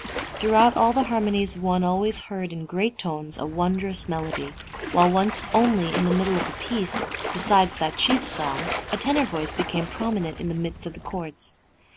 Throughout all the harmonies one always heard in great tones a wondrous melody, while once only in the middle of the piece, besides that chief song, a tenor voice became prominent in the midst of the chords.